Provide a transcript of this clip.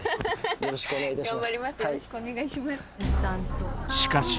よろしくお願いします